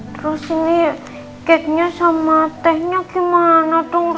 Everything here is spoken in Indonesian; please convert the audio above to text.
terus ini cake nya sama teh nya gimana tuh